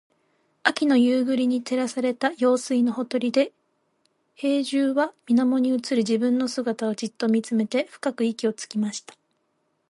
秋の夕暮れに照らされた用水のほとりで、兵十は水面に映る自分の姿をじっと見つめて深く息をつきました。